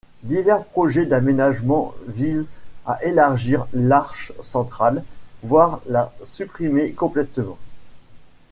Divers projets d'aménagement visent à élargir l'arche centrale, voire la supprimer complètement.